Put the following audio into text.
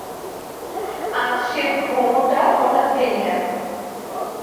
আজ সে ভ্রমটা হঠাৎ ভেঙে গেল।